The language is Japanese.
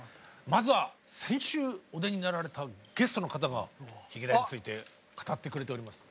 まずは先週お出になられたゲストの方がヒゲダンについて語ってくれております。